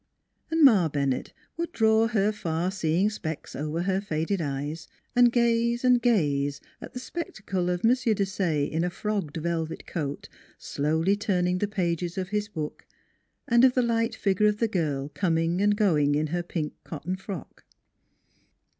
And Ma Bennett would draw her far seeing specs over her faded eyes and gaze and gaze at the spectacle of M. Desaye in a frogged velvet coat, slowly turning the pages of his book, and of the light figure of the girl coming and going in her pink cotton frock.